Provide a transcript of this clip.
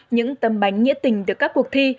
những tấm bánh nghĩa tình từ các cuộc thi